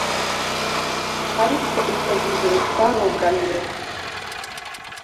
ariko icyo gihe twarugamye